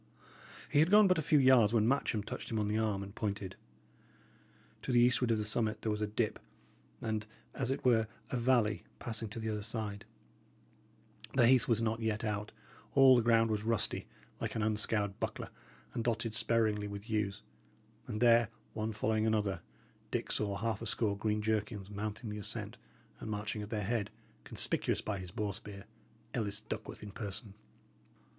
He had gone but a few yards, when Matcham touched him on the arm, and pointed. To the eastward of the summit there was a dip, and, as it were, a valley passing to the other side; the heath was not yet out; all the ground was rusty, like an unscoured buckler, and dotted sparingly with yews; and there, one following another, Dick saw half a score green jerkins mounting the ascent, and marching at their head, conspicuous by his boar spear, Ellis Duckworth in person.